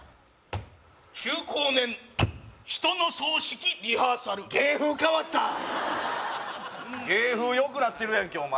中高年人の葬式リハーサル芸風変わった芸風よくなってるやんけ